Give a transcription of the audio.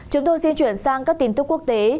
chúng tôi di chuyển sang các tin tức quốc tế